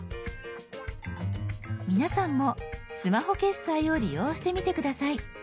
皆さんもスマホ決済を利用してみて下さい。